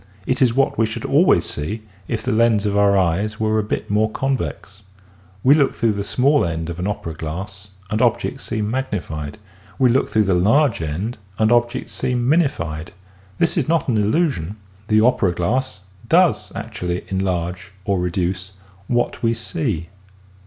It is what we should always see if the lens of our eyes were a bit more convex. We look through the small end of an opera glass and objects seem magnified. We DURATION IS SUBJECTIVE 47 look through the large end and objects seem minified. This is not an illusion. The opera glass does actually enlarge or reduce what we see.